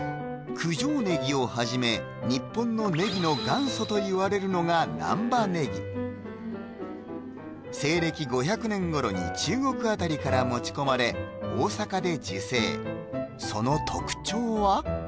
九条ネギをはじめといわれるのが難波葱西暦５００年頃に中国あたりから持ち込まれ大阪で自生その特徴は？